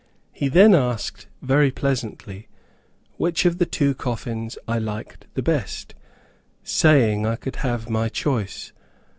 He then asked very pleasantly, which of the two coffins I liked the best, saying I could have my choice.